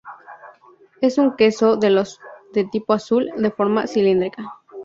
Es un queso de los de tipo azul, de forma cilíndrica.